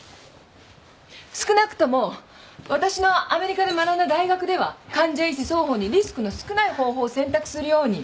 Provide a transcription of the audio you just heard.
少なくともわたしのアメリカで学んだ大学では患者医師双方にリスクの少ない方法を選択するように。